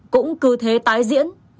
cũng cứ thế tái diễn